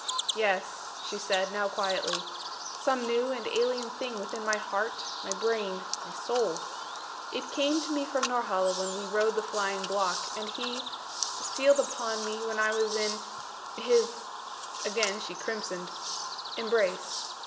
"Yes," she said, now quietly. "Some new and alien thing within my heart, my brain, my soul. It came to me from Norhala when we rode the flying block, and he sealed upon me when I was in his" again she crimsoned, "embrace."